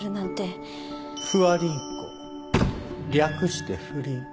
不破倫子略して「不倫」。